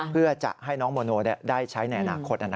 เพื่อจะให้น้องโมโนได้ใช้ในอนาคต